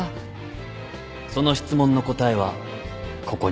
その質問の答えはここに。